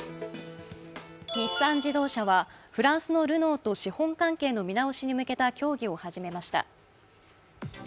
日産自動車はフランスのルノーと資本関係の見直しに向けた協議を始めました。